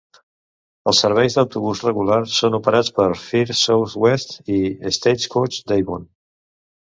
Els serveis d"autobús regular són operats per First South West i Stagecoach Devon.